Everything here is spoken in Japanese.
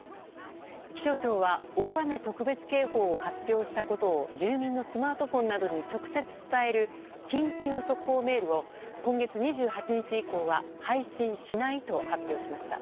気象庁は大雨特別警報を発表したことを住民のスマートフォンなどに直接伝える緊急速報メールを今月２８日以降は配信しないと発表しました。